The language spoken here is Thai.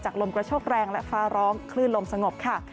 ลมกระโชคแรงและฟ้าร้องคลื่นลมสงบค่ะ